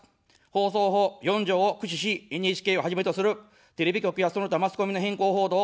放送法４条を駆使し、ＮＨＫをはじめとするテレビ局や、その他マスコミの偏向報道をただす。